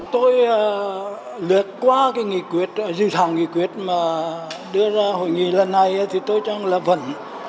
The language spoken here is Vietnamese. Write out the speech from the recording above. tôi lượt qua cái nghị quyết dự thảo nghị quyết mà đưa ra hội nghị lần này thì tôi cho rằng là vẫn